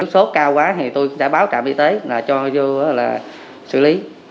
sốt cao quá thì tôi đã báo trạm y tế cho vô xử lý